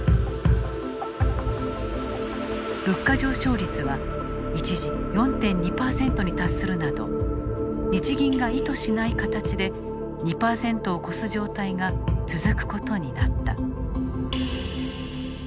物価上昇率は一時４．２％に達するなど日銀が意図しない形で２％を超す状態が続くことになった。